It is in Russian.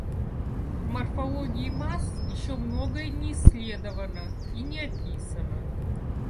В морфологии масс еще многое не исследовано и не описано.